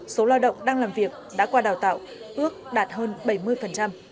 số lao động đang làm việc đã qua đào tạo ước đạt hơn bảy mươi